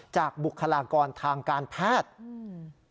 จากบุคลากรทางการแพทย์